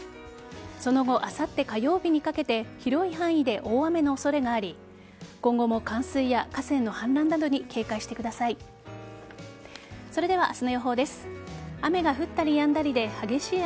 その後、あさって火曜日にかけて広い範囲で大雨の恐れがあり今後も冠水や河川の氾濫などに警戒してください。